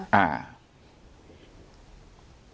ใช่ค่ะ